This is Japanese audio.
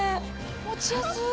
持ちやすい。